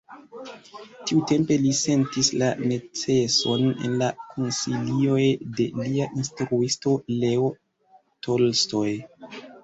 Tiutempe li sentis la neceson en la konsilioj de lia instruisto Leo Tolstoj.